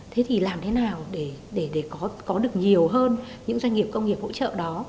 thế thì làm thế nào để có được nhiều hơn những doanh nghiệp công nghiệp hỗ trợ đó